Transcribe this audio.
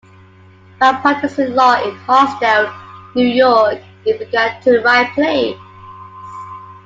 While practicing law in Hartsdale, New York, he began to write plays.